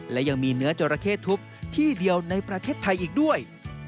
และยังมีเนื้อจราเข้ทุบที่เดียวในประเทศไทยอีกด้วย